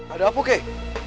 ada apa kei